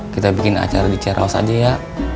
kita bikin acara di ciaros aja ya